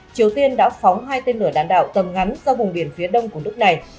triều tiên đã phóng hai tên lửa đạn đạo tầm ngắn ra vùng biển phía đông của nước này